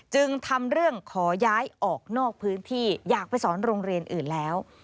จึงทำเรื่องขอย้ายออกนอกพื้นที่อยากไปสอนโรงเรียนอื่นแล้ว